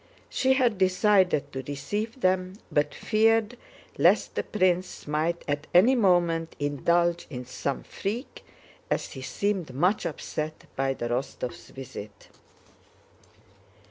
She had decided to receive them, but feared lest the prince might at any moment indulge in some freak, as he seemed much upset by the Rostóvs' visit.